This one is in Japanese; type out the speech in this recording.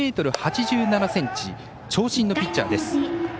１ｍ８８ｃｍ長身のピッチャーです。